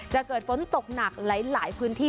จะเกิดฝนตกหนักหลายพื้นที่